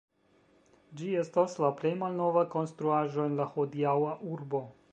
Ĝi estas la plej malnova konstruaĵo en la hodiaŭa urbo.